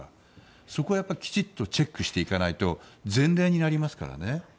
そこはきちんとチェックしていかないと前例になりますからね。